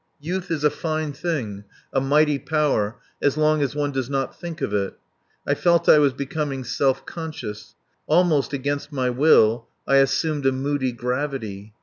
Youth is a fine thing, a mighty power as long as one does not think of it. I felt I was becoming self conscious. Almost against my will I assumed a moody gravity.